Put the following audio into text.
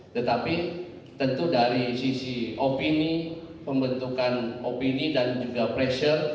tetapi tentu dari sisi opini pembentukan opini dan juga pressure